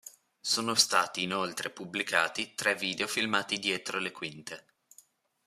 Sono stati inoltre pubblicati tre video filmati dietro le quinte.